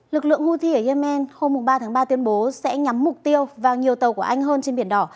lực lượng houthi ở yemen hôm ba tháng ba tuyên bố sẽ nhắm mục tiêu vào nhiều tàu của anh hơn trên biển đỏ